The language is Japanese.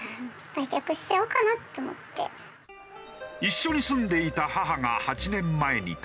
一緒に住んでいた母が８年前に他界。